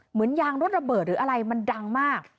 เหมือนยางรถระเบิดโดยอะไรมันดังมาก